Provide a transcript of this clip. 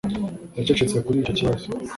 Yacecetse kuri icyo kibazo